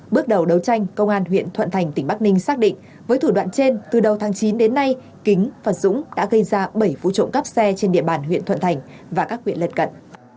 bước đầu đấu tranh công an huyện thuận thành tỉnh bắc ninh xác định với thủ đoạn trên từ đầu tháng chín đến nay kính và dũng đã gây ra bảy vụ trộm cắp xe trên địa bàn huyện thuận thành và các huyện lật cận